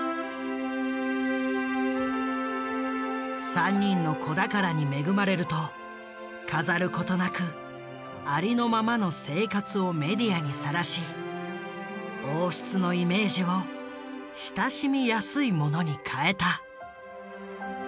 ３人の子宝に恵まれると飾ることなくありのままの生活をメディアにさらし王室のイメージを親しみやすいものに変えた。